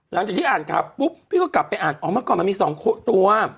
หลังจากที่อ่านข่าวปุ๊บพี่ก็กลับไปอ่านอ๋อเมื่อก่อนมันมี๒ตัว